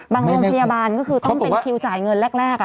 โรงพยาบาลก็คือต้องเป็นคิวจ่ายเงินแรก